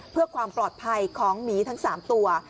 เพื่อความปลอดภัยของหมีทั้ง๓ตัว